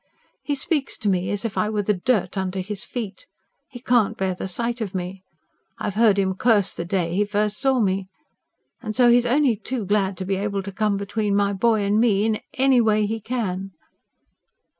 He speaks to me as if I were the dirt under his feet. He can't bear the sight of me. I have heard him curse the day he first saw me. And so he's only too glad to be able to come between my boy and me ... in any way he can."